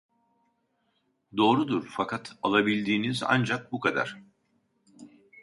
Doğrudur fakat alabildiğiniz ancak bu kadar